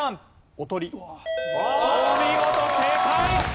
お見事正解。